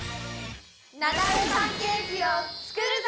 なだれパンケーキを作るぞ！